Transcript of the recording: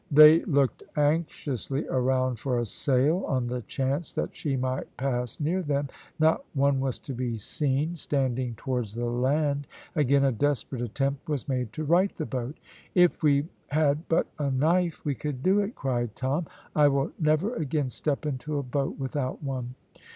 They looked anxiously around for a sail, on the chance that she might pass near them. Not one was to be seen standing towards the land. Again a desperate attempt was made to right the boat. "If we had but a knife we could do it," cried Tom. "I will never again step into a boat without one."